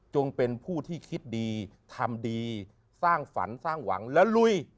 เป็นผู้ที่คิดดีทำดีสร้างฝันสร้างหวังและลุย